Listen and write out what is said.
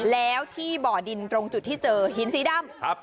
แล้วที่บ่อดินตรงจุดที่เจอหินสีดำ